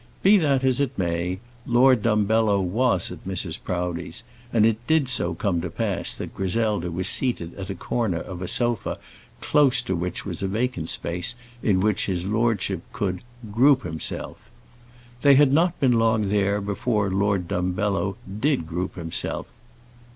Be that as it may, Lord Dumbello was at Mrs. Proudie's, and it did so come to pass that Griselda was seated at the corner of a sofa close to which was a vacant space in which his lordship could "group himself." They had not been long there before Lord Dumbello did group himself.